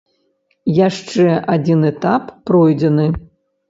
Яшчэ адзін этап пройдзены.